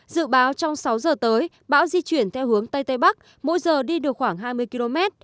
dự báo trong sáu giờ tới bão di chuyển theo hướng tây tây bắc mỗi giờ đi được khoảng hai mươi km